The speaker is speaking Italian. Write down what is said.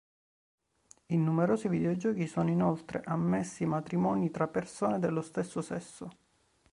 In numerosi videogiochi sono inoltre ammessi matrimoni tra persone dello stesso sesso.